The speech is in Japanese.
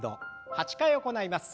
８回行います。